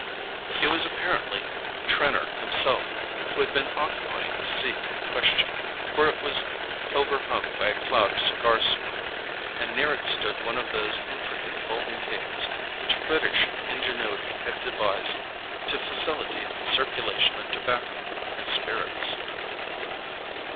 It was apparently Trenor himself who had been occupying the seat in question, for it was overhung by a cloud of cigar smoke, and near it stood one of those intricate folding tables which British ingenuity has devised to facilitate the circulation of tobacco and spirits.